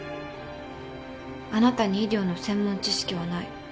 あなたに医療の専門知識はない。